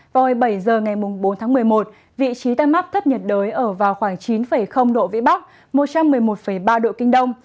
vào hồi bảy giờ ngày bốn tháng một mươi một vị trí tăng mắp thấp nhật đới ở vào khoảng chín độ vĩ bắc một trăm một mươi một ba độ kinh đông